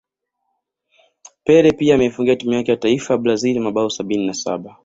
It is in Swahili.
Pele pia ameifungia timu yake yataifa ya Brazil mabao sabini na Saba